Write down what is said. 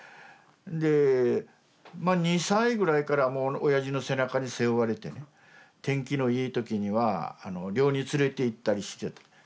で２歳ぐらいからもうおやじの背中に背負われてね天気のいい時には漁に連れていったりしてたね